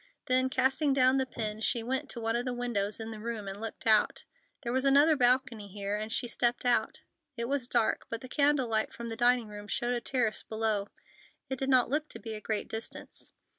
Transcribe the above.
Then, casting down the pen, she went to one of the windows in the room and looked out. There was another balcony here, and she stepped out. It was dark, but the candle light from the dining room showed a terrace below. It did not look to be a great distance.